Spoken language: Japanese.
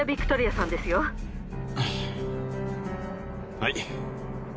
はい。